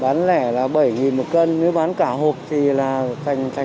bán rẻ là bảy một cân nếu bán cả hộp thì là thành rẻ